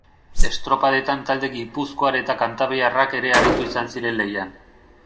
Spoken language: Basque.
Estropadetan talde gipuzkoar eta kantabriarrak ere aritu izan ziren lehian.